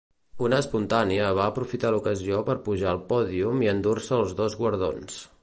Una espontània va aprofitar l'ocasió per pujar al pòdium i endur-se els dos guardons.